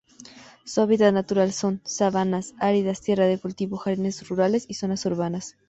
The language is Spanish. Su hábitat natural son: sabanas, áridas tierras de cultivo, jardines rurales, y zona urbanas.